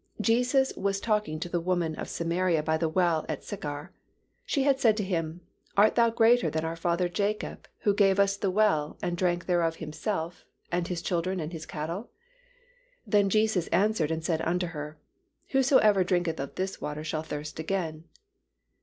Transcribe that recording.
Jesus was talking to the woman of Samaria by the well at Sychar. She had said to Him, "Art Thou greater than our father Jacob, who gave us the well and drank thereof himself, and his children and his cattle?" Then Jesus answered and said unto her, "Whosoever drinketh of this water shall thirst again."